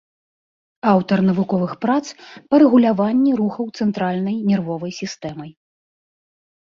Аўтар навуковых прац па рэгуляванні рухаў цэнтральнай нервовай сістэмай.